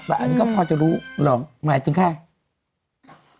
แต่อันนี้ก็พอจะรู้หรอกหมายถึงใคร